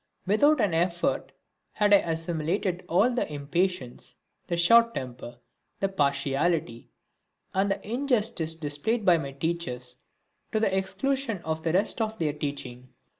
Without an effort had I assimilated all the impatience, the short temper, the partiality and the injustice displayed by my teachers to the exclusion of the rest of their teaching.